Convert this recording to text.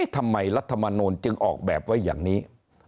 รัฐมนูลจึงออกแบบไว้อย่างนี้